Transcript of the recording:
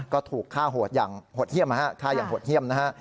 ก็ถูกฆ่าโหดอย่างหดเยี่ยมฆ่าอย่างหดเยี่ยมนะฮะ